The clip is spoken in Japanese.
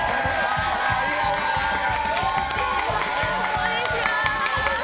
こんにちは！